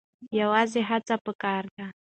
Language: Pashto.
یوازې هڅه پکار ده.